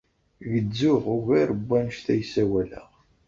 Gezzuɣ ugar n wanect ay ssawaleɣ.